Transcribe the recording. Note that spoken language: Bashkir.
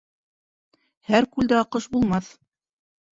Һәр күлдә аҡҡош булмаҫ.